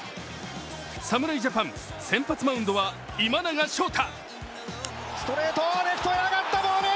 侍ジャパン先発マウンドは今永昇太。